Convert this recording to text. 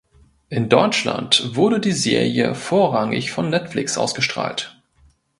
In Deutschland wurde die Serie vorrangig von Netflix ausgestrahlt.